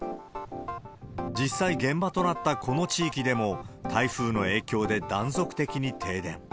実際、現場となったこの地域でも、台風の影響で断続的に停電。